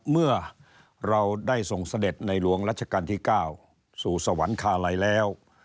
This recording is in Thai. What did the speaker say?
เมื่อเราได้ส่งเสด็จในหลวงรัชกาลที่๙สู่สวรรคาลัยแล้ว